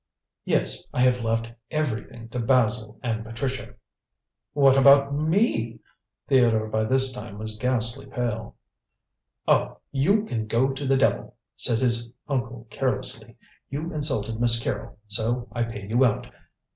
"Yes! I have left everything to Basil and Patricia!" "What about me?" Theodore by this time was ghastly pale. "Oh, you can go to the devil!" said his uncle carelessly. "You insulted Miss Carrol, so I pay you out.